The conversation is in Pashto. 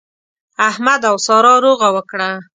احمد او سارا روغه وکړه.